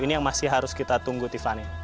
ini yang masih harus kita tunggu tiffany